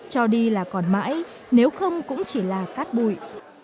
cho đi là còn mãi nếu không cũng chỉ là cát bụi